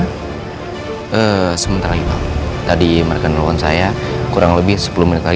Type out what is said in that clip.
hai sentapa tadi mereka telepon saya kurang lebih sepuluh nit lagi semisal ini